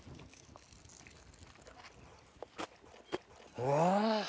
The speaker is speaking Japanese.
うわ！